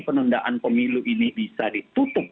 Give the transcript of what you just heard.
penundaan pemilu ini bisa ditutup